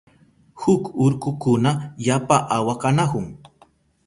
huk urkukuna yapa awa kanahun.